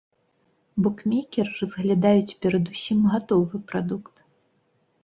Букмекеры разглядаюць перадусім гатовы прадукт.